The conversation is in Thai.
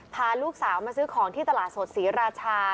พาลูกสาวมาซื้อของที่ตลาดสดศรีราชา